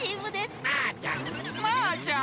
マーちゃん。